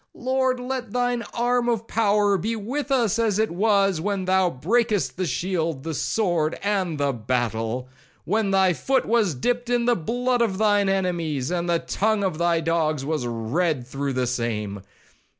—Lord, let thine arm of power be with us as it was when thou brakest the shield, the sword, and the battle.—when thy foot was dipped in the blood of thine enemies, and the tongue of thy dogs was red through the same.